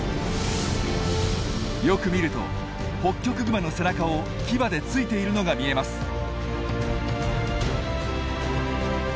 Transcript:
よく見るとホッキョクグマの背中を牙で突いているのが見えます。